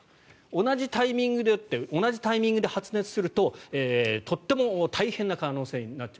同じタイミングで打って同じタイミングで発熱するととっても大変な可能性になっちゃう。